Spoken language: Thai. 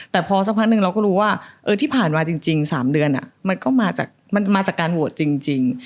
แต่พอสักพักหนึ่งเราก็รู้ว่าที่ผ่านมาจริง๓เดือนมันก็มาจากการโหวตจริง